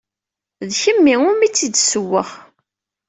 D kennemti umi tt-id-ssewweɣ.